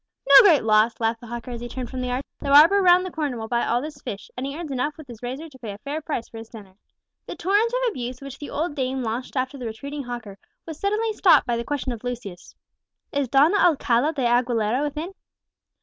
"No great loss," laughed the hawker, as he turned from the arch; "the barber round the corner will buy all this fish, and he earns enough with his razor to pay a fair price for his dinner!" The torrent of abuse which the old dame launched after the retreating hawker, was suddenly stopped by the question of Lucius, "Is Don Alcala de Aguilera within?"